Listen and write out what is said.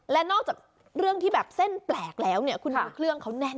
และนอกจากเรื่องที่แบบเส้นแปลกแล้วเนี่ยคุณดูเครื่องเขาแน่น